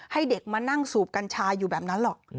ให้เด็กมานั่งสูบกัญชาอยู่แบบนั้นหรอก